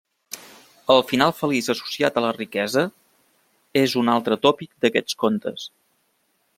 El final feliç associat a la riquesa és un altre tòpic d'aquests contes.